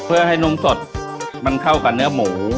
เพื่อให้นมสดมันเข้ากับเนื้อหมู